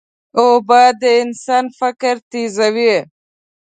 اوبه د انسان فکر تیزوي.